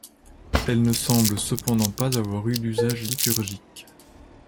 Elles ne semblent cependant pas avoir eu d’usage liturgique.